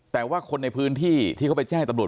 แต่ว่าคนในพื้นที่ที่เขาไปแจ้งตำรวจ